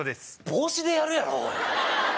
帽子でやるやろおい